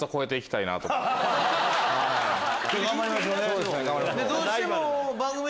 今日頑張りましょうね。